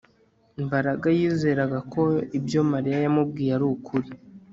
Mbaraga yizeraga ko ibyo Mariya yamubwiye ari ukuri